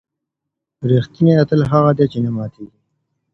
ریښتینی اتل هغه دی چې نه ماتېږي.